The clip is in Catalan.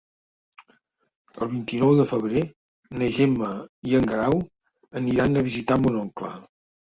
El vint-i-nou de febrer na Gemma i en Guerau aniran a visitar mon oncle.